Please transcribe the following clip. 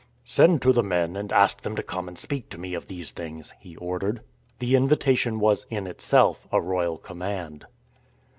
" Send to the men and ask them to come and speak to me of these things," he ordered. The invitation was in itself a royal command.